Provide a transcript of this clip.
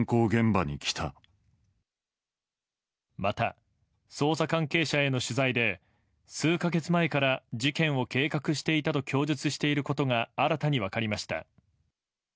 また、捜査関係者への取材で数か月前から事件を計画していたと供述していることが新たに分かりました。